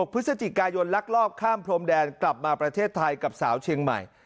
พฤศจิกายนลักลอบข้ามพรมแดนกลับมาประเทศไทยกับสาวเชียงใหม่